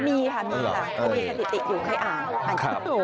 มีค่ะมีค่ะมีแค่ติดติดอยู่ใครอ่าน